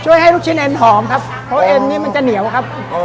ให้ลูกชิ้นเอ็นหอมครับเพราะเอ็นนี่มันจะเหนียวครับ